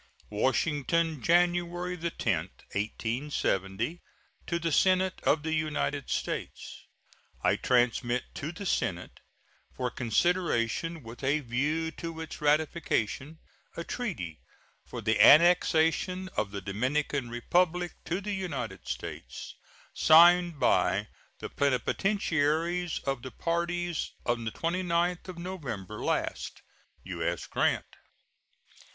WASHINGTON, January 10, 1870. To the Senate of the United States: I transmit to the Senate, for consideration with a view to its ratification, a treaty for the annexation of the Dominican Republic to the United States, signed by the plenipotentiaries of the parties on the 29th of November last. U.S. GRANT.